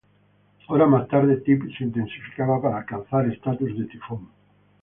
Horas más tarde, Tip se intensificaba para alcanzar estatus de tifón.